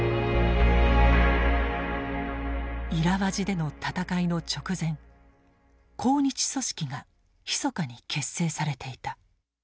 イラワジでの戦いの直前抗日組織がひそかに結成されていた。